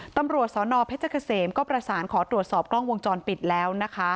ตำรวจสนเพชรเกษมก็ประสานขอตรวจสอบกล้องวงจรปิดแล้วนะคะ